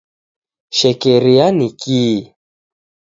Shekeria ni kihi?.